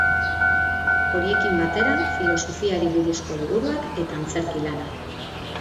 Horiekin batera filosofiari buruzko liburuak eta antzerki-lanak.